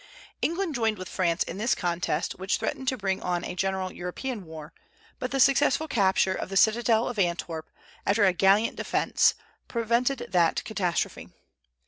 England joined with France in this contest, which threatened to bring on a general European war; but the successful capture of the citadel of Antwerp, after a gallant defence, prevented that catastrophe.